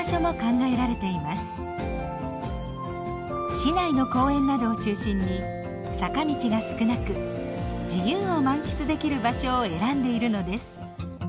市内の公園などを中心に坂道が少なく自由を満喫できる場所を選んでいるのです。